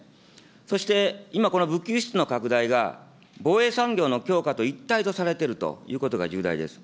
そして今この武器輸出の拡大が防衛産業の強化と一体とされているということが重大です。